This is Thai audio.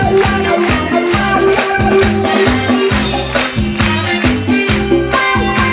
อินโทรเพลงที่๗มูลค่า๑แสนบาท